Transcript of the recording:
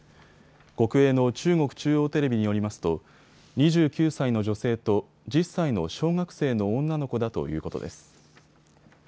国営の中国中央テレビによりますと２９歳の女性と１０歳の小学生の女の子だということです。